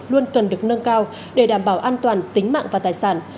luôn cần được nâng cao để đảm bảo an toàn tính mạng và tài sản